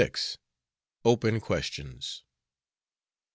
OPEN QUESTIONS.